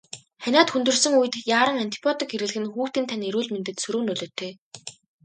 Ханиад хүндэрсэн үед яаран антибиотик хэрэглэх нь хүүхдийн тань эрүүл мэндэд сөрөг нөлөөтэй.